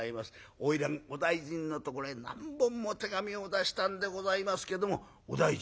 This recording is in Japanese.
花魁お大尽のところへ何本も手紙を出したんでございますけどもお大尽